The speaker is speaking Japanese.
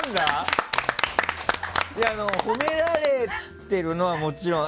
褒められてるのはもちろん。